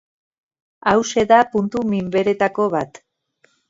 Hauxe da puntu minberetako bat.